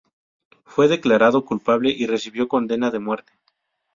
Fue declarado culpable y recibió condena de muerte.